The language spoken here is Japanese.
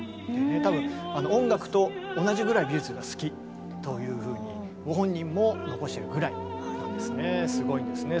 多分音楽と同じぐらい美術が好きというふうにご本人も残しているぐらいなんですね。